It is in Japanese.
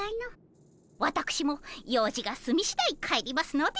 わたくしもようじがすみしだい帰りますので。